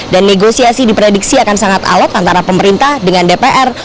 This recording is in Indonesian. dan negosiasi diprediksi akan sangat alok antara pemerintah dengan dpr